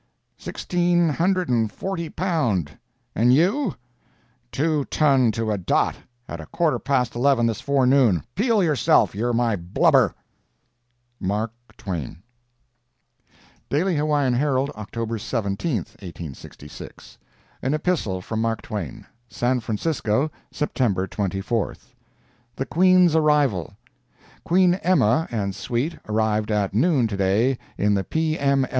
"Sixteen hundred and forty pound—and you?" "Two ton to a dot—at a quarter past eleven this forenoon—peel yourself, you're my blubber!" MARK TWAIN DAILY HAWAIIAN HERALD, October 17, 1866 An Epistle from Mark Twain San Francisco, Sept. 24th THE QUEEN'S ARRIVAL. Queen Emma and suite arrived at noon to day in the P. M.